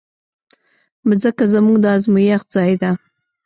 مځکه زموږ د ازمېښت ځای ده.